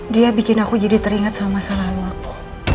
dia bikin aku jadi teringat sama masa lalu aku